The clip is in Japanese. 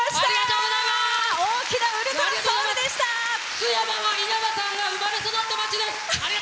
津山は稲葉さんが生まれ育った街です！